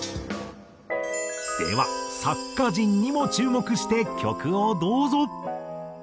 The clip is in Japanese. では作家陣にも注目して曲をどうぞ！